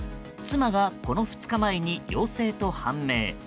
妻が、この２日前に陽性と判明。